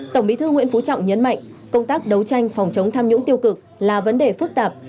tổng bí thư nguyễn phú trọng nhấn mạnh công tác đấu tranh phòng chống tham nhũng tiêu cực là vấn đề phức tạp